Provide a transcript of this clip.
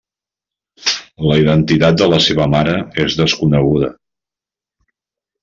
La identitat de la seva mare és desconeguda.